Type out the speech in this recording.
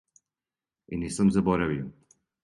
И нисам заборавио.